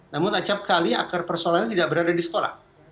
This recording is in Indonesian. namun acapkali akar persoalan tidak berada di sekolah